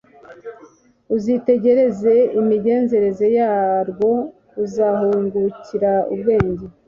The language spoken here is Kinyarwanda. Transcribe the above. uzitegereze imigenzereze yarwo, uzahungukira ubwenge